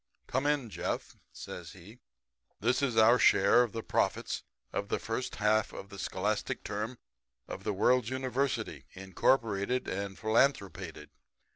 Come in, Jeff,' says he. 'This is our share of the profits of the first half of the scholastic term of the World's University, incorporated and philanthropated.